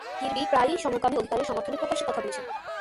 Kirby প্রায়ই সমকামী অধিকারের সমর্থনে প্রকাশ্যে কথা বলেছেন।